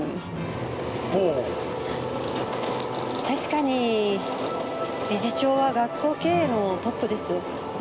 確かに理事長は学校経営のトップです。